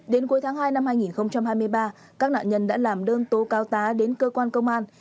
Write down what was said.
đến cuối tháng hai năm hai nghìn hai mươi ba các nạn nhân đã làm đơn tố cáo tá đến cơ quan công an